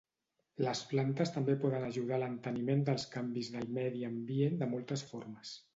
Les plantes també poden ajudar a l'enteniment dels canvis del medi ambient de moltes formes.